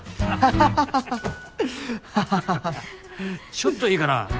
ちょっといいかな？